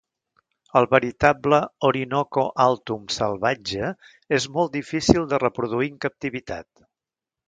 El veritable "Orinoco Altum" salvatge és molt difícil de reproduir en captivitat.